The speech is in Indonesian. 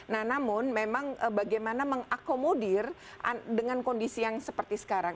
nah namun memang bagaimana mengakomodir dengan kondisi yang seperti sekarang